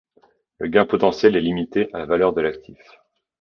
Le gain potentiel est limité à la valeur de l'actif.